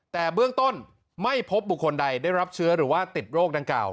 แต่เบื้องต้นไม่พบบุคคลใดได้รับเชื้อหรือว่าติดโรคดังกล่าว